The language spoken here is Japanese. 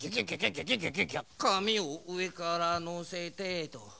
かみをうえからのせてと。